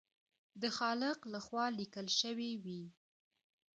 د خالق لخوا لیکل شوي وي.